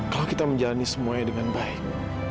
kalau kita menjalani semuanya dengan baik